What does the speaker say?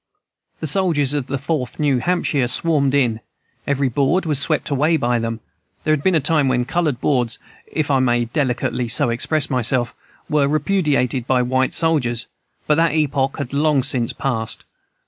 The soldiers of the Fourth New Hampshire swarmed in; every board was swept away by them; there had been a time when colored boards (if I may delicately so express myself) were repudiated by white soldiers, but that epoch had long since passed.